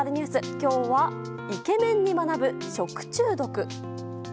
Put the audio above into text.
今日は、イケメンに学ぶ食中毒。